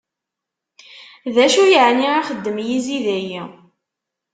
D acu yeɛni ixeddem yizi dayi!